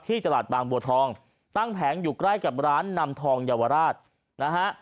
ตลาดบางบัวทองตั้งแผงอยู่ใกล้กับร้านนำทองเยาวราชนะฮะ